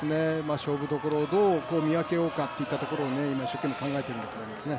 勝負どころをどう見分けようかといったところを今、一生懸命考えているんだと思いますね。